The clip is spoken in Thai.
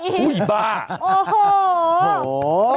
อุ๊ยบ้าโอ้โฮโอ้โฮ